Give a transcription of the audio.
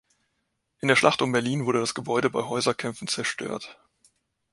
In der Schlacht um Berlin wurde das Gebäude bei Häuserkämpfen zerstört.